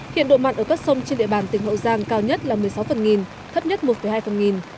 hiện độ mặn ở các sông trên địa bàn tỉnh hậu giang cao nhất là một mươi sáu phần nghìn thấp nhất một hai phần nghìn